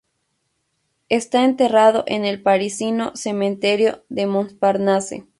Está enterrado en el parisino Cementerio de Montparnasse.